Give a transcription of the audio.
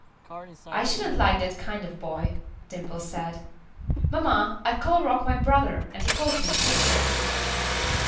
"I shouldn't like that kind of boy," Dimple said. "Mamma, I call Rock my brother, and he calls me sister."